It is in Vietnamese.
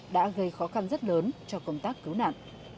đã gây khó khăn rất lớn cho công tác cứu nạn